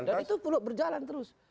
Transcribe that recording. dan itu perlu berjalan terus